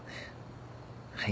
はい。